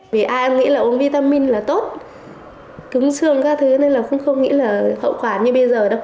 vì ai nghĩ là uống vitamin là tốt cứng xương các thứ nên là cũng không nghĩ là hậu quả như bây giờ đâu